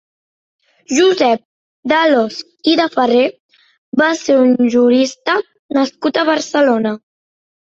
Josep d'Alòs i de Ferrer va ser un jurista nascut a Barcelona.